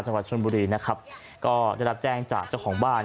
จังหวัดชนบุรีนะครับก็ได้รับแจ้งจากเจ้าของบ้าน